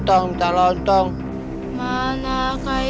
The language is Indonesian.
terus setan selalu terang tangani